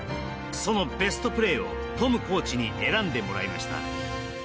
そのベストプレーをトムコーチに選んでもらいました。